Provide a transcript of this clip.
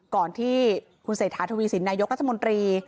ก่อนที่คุณเศรษฐาทวีสินนายกรัฐมนตรี